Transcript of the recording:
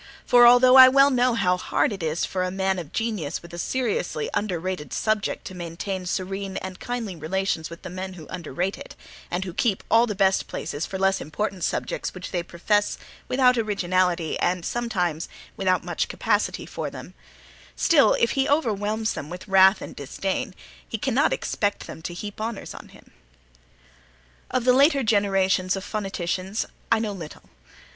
for although I well know how hard it is for a man of genius with a seriously underrated subject to maintain serene and kindly relations with the men who underrate it, and who keep all the best places for less important subjects which they profess without originality and sometimes without much capacity for them, still, if he overwhelms them with wrath and disdain, he cannot expect them to heap honors on him. Of the later generations of phoneticians I know little.